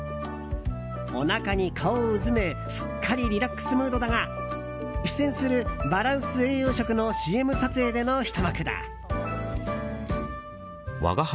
おなかに顔をうずめすっかりリラックスムードだが出演する、バランス栄養食のＣＭ撮影でのひと幕だ。